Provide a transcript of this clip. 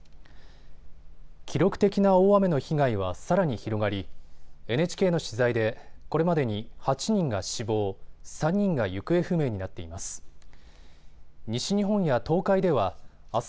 記録的な大雨の被害はさらに広がり、ＮＨＫの取材でこれまでに８人が死亡、３人が行方不明になっています。